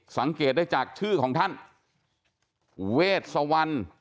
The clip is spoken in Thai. สังเกตได้จากชื่อของท่านเวชสวรรณ